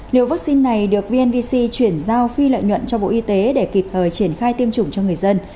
liều vaccine này được vnvc chuyển giao phi lợi nhuận cho bộ y tế để kịp thời triển khai tiêm chủng cho người dân